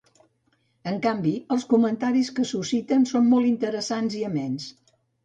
En canvi, els comentaris que susciten són molt interessants i amens.